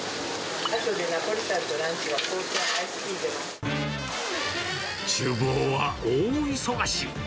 あとでナポリタンとランチ、ちゅう房は大忙し。